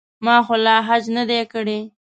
ما خو لا حج نه دی کړی.